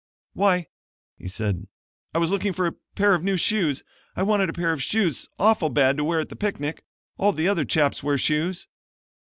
"Why," he said, "I was looking for a pair of new shoes. I want a pair of shoes awful bad to wear at the picnic. All the other chaps wear shoes."